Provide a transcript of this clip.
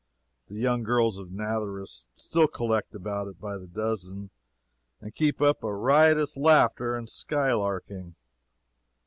The young girls of Nazareth still collect about it by the dozen and keep up a riotous laughter and sky larking.